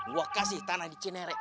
gue kasih tanah di cinerik